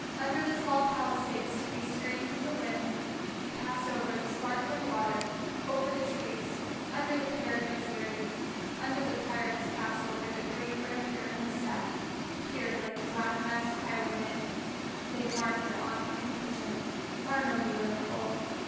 Under the tall Palisades, to be screened from the wind, he passed, over the sparkling water, over the trees, under the Peregrines' eyrie, under the pirates' castle where the great grim Peregrines sat; peering like black masked highwaymen they marked the on coming Pigeon. Arnaux knew them of old.